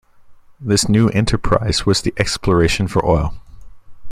This new enterprise was the exploration for oil.